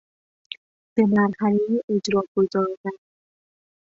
به مرحله اجراء گذاردن